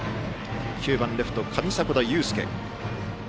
９番レフト、上迫田優介。